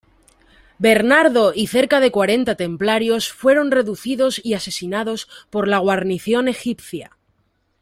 Bernardo y cerca de cuarenta Templarios fueron reducidos y asesinados por la guarnición egipcia.